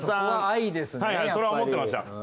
はいそれは思ってました。